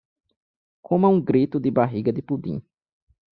Coma um grito de barriga de pudim